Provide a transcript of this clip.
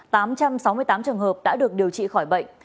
tám trăm sáu mươi tám trường hợp đã được điều trị khỏi bệnh